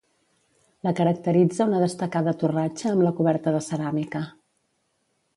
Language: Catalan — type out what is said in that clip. La caracteritza una destacada torratxa amb la coberta de ceràmica.